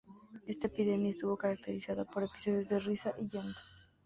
Esta epidemia estuvo caracterizada por episodios de risa y llanto.